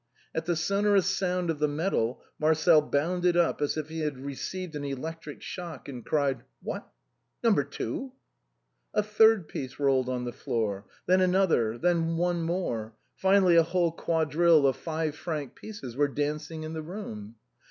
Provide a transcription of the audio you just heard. At the sonorous sound of the metal, Marcel bounded up as if he had received an electric shock, and cried :" What .' Number two !" A third piece rolled on the floor ; then another ; then one more; finally a whole quadrille of five franc pieces were dancing in the room.